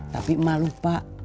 tapi emak lupa